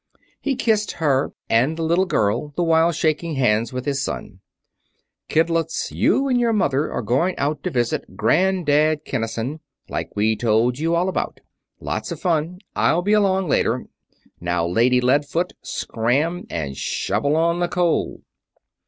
He kissed her and the little girl, the while shaking hands with his son. "Kidlets, you and mother are going out to visit Grand dad Kinnison, like we told you all about. Lots of fun. I'll be along later. Now, Lady Lead Foot, scram and shovel on the coal!"